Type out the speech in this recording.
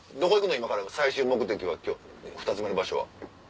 今から最終目的は今日２つ目の場所は。